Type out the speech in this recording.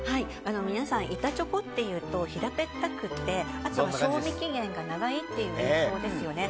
皆さん、板チョコっていうと平べったくってあとは賞味期限が長いという印象ですよね。